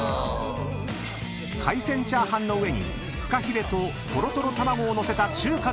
［海鮮チャーハンの上にフカヒレとトロトロ卵を載せた中華のオムライス。